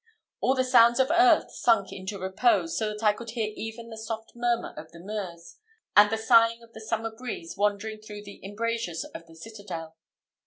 All the sounds of earth sunk into repose, so that I could hear even the soft murmur of the Meuse, and the sighing of the summer breeze wandering through the embrazures of the citadel.